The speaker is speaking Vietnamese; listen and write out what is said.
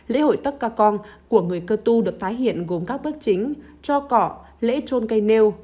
lễ hội tắc cà con của người cơ tu được tái hiện gồm các bước chính cho cỏ lễ trôn cây nêu